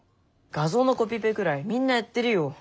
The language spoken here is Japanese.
画像のコピペぐらいみんなやってるよ。